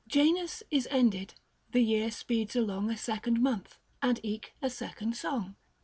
Janus is ended ; the year speeds along A second month, and eke a second song.